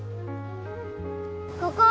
ここ！